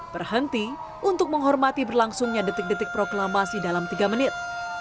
berhenti untuk menghormati berlangsungnya detik detik proklamasi dalam tiga menit